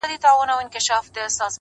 • حقيقت د سور تر شا ورک پاتې کيږي تل,